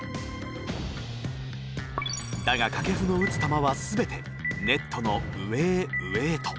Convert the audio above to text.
だが掛布の打つ球は全てネットの上へ上へと。